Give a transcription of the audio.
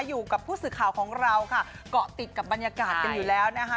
อยู่กับผู้สื่อข่าวของเราค่ะเกาะติดกับบรรยากาศกันอยู่แล้วนะคะ